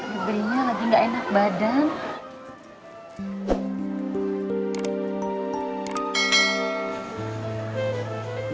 febri nya lagi gak enak badan